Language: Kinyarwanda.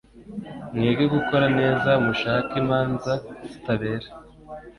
mwige gukora neza, mushake imanza zitabera,